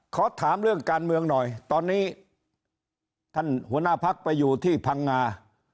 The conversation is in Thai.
ขอถามเรื่องการเมืองหน่อยตอนนี้ท่านหัวหน้าพักไปอยู่ที่พังงา